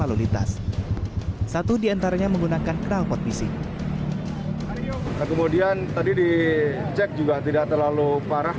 lalu lintas satu diantaranya menggunakan kenalpot bising kemudian tadi dicek juga tidak terlalu parah